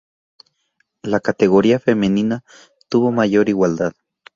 La categoría femenina tuvo mayor igualdad.